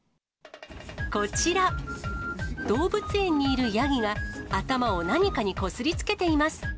こちら、動物園にいるヤギが、頭を何かにこすりつけています。